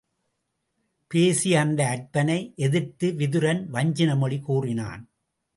பேசிய அந்த அற்பனை எதிர்த்து விதுரன் வஞ்சின மொழி கூறினான்.